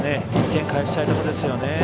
１点返したいところですね。